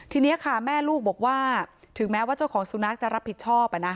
ทีนี้ค่ะแม่ลูกบอกว่าถึงแม้ว่าเจ้าของสุนัขจะรับผิดชอบ